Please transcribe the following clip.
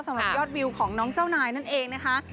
สำหรับยอดวิวของน้องเจ้านายนั่นเองนะคะ